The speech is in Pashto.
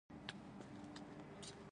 سود د بشري ټولنې یو پخوانی دود دی